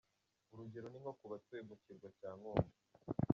Urugero ni nko ku batuye mu Kirwa cya Nkombo.